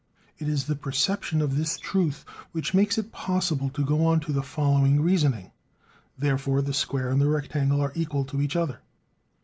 It is the perception of this truth which makes it possible to go on to the following reasoning: therefore the square and the rectangle are equal to each other.